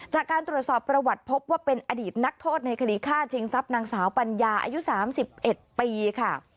จากการตรวจสอบประวัติพบว่าเป็นอดีตนักโทษในคดีฆ่าชิงทรัพย์นางสาวปัญญาอายุ๓๑ปีค่ะ